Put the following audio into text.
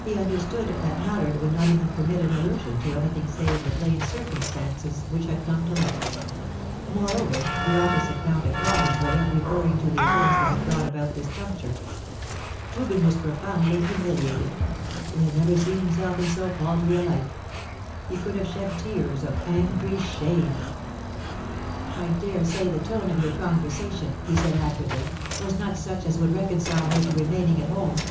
He understood that Mallard would not even permit an allusion to anything save the plain circumstances which had come to light. Moreover, the artist had found a galling way of referring to the events that had brought about this juncture. Reuben was profoundly humiliated; he had never seen himself in so paltry a light. He could have shed tears of angry shame. "I dare say the tone of your conversation," he said acridly, "was not such as would reconcile her to remaining at home.